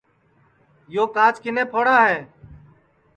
یو کاچ کِنے پھوڑا ہے